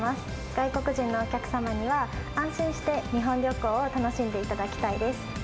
外国人のお客様には、安心して日本旅行を楽しんでいただきたいです。